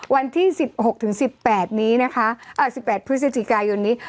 วันที่สิบหกถึงสิบแปดนี้นะคะเอ่อสิบแปดพฤศจิกายนนี้